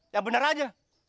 ya benar aja